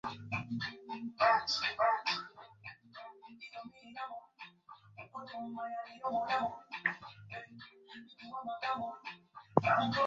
hadi mwaka elfu moja mia tisa themanini na tisa katika shule ya Mwanga iliyopo